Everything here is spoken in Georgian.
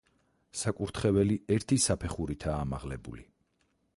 საკურთხეველი ერთი საფეხურითაა ამაღლებული.